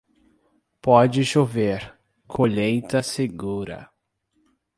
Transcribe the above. Pode chover, colheita segura.